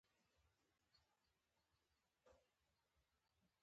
مازیګر ناوخته مېوه مو وخوړه.